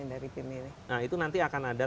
dari tim ini nah itu nanti akan ada